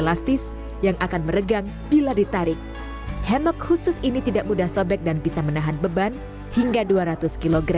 lastis yang akan meregang bila ditarik hemok khusus ini tidak mudah sobek dan bisa menahan beban hingga dua ratus kg